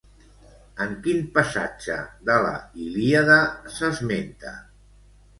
En quin passatge de la Ilíada s'esmenta?